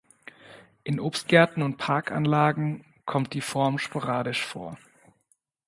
In Obstgärten und Parkanlagen kommt die Form sporadisch vor.